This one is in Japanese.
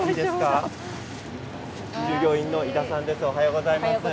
従業員の、いださんです。